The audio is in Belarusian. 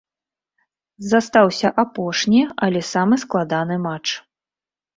Застаўся апошні, але самы складаны матч.